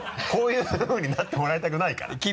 こういうふうになってもらいたくないから。